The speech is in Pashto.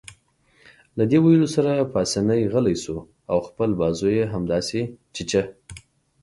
له دې ویلو سره پاسیني غلی شو او خپل بازو يې همداسې چیچه.